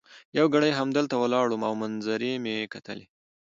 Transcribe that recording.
یو ګړی همدلته ولاړ وم او منظرې مي کتلې.